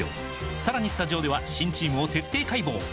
さらにスタジオでは新チームを徹底解剖！